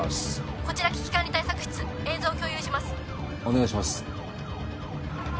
こちら危機管理対策室映像共有しますお願いします